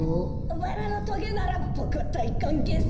バラのトゲならボクはだいかんげいさ。